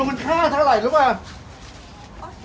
มันค่าเท่าไหร่หรือเปล่า